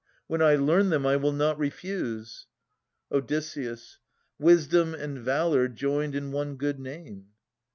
When I learn them, I will not refuse. Od. Wisdom and valour joined in one good name.